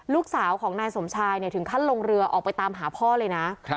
ลูกสาวของนายสมชายถึงขั้นลงเรือออกไปตามหาพ่อเลยนะ